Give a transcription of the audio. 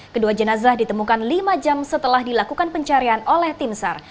kedua jenazah ditemukan lima jam setelah dilakukan pencarian oleh tim sar